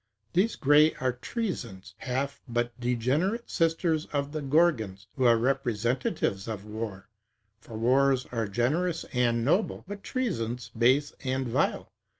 These Greæ are treasons; half, but degenerate sisters of the Gorgons; who are representatives of wars; for wars are generous and noble; but treasons base and vile.